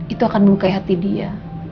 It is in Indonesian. itu akan melukai hati dia